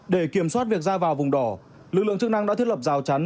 để kiểm soát việc ra vào vùng đỏ lực lượng chức năng đã thiết lập rào chắn